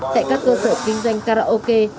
tại các cơ sở kinh doanh karaoke